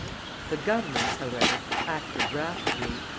The Governments, however, acted rapidly.